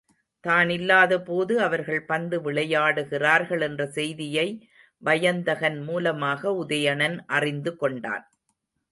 தான் இல்லாதபோது அவர்கள் பந்து விளையாடுகிறார்கள் என்ற செய்தியை வயந்தகன் மூலமாக உதயணன் அறிந்து கொண்டான்.